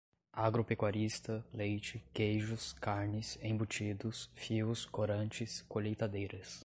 agropecuarista, leite, queijos, carnes, embutidos, fios, corantes, colheitadeiras